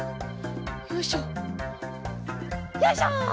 よいしょよいしょ！